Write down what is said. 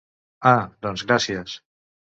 Ah, doncs gràcies.